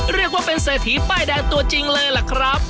เรียกว่าเป็นเศรษฐีป้ายแดงตัวจริงเลยล่ะครับ